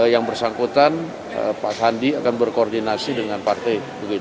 yang bersangkutan pak sandi akan berkoordinasi dengan partai